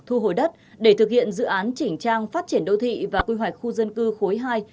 thu hồi đất để thực hiện dự án chỉnh trang phát triển đô thị và quy hoạch khu dân cư khối hai